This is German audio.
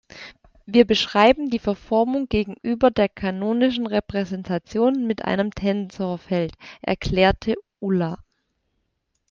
Wir beschreiben die Verformung gegenüber der kanonischen Repräsentation mit einem Tensorfeld, erklärte Ulla.